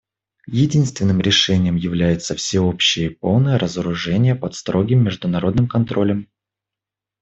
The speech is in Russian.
Единственным решением является всеобщее и полное разоружение под строгим международным контролем.